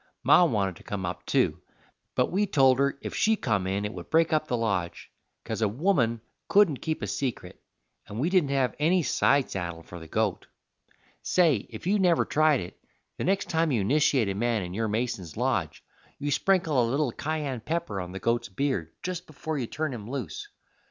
Ma wanted to come up, too, but we told her if she come in it would break up the lodge, 'cause a woman couldn't keep a secret, and we didn't have any side saddle for the goat. Say, if you never tried it, the next time you nishiate a man in your Mason's lodge you sprinkle a little kyan pepper on the goat's beard just before you turn him loose.